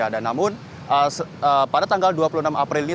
dan namun pada tanggal dua puluh enam april ini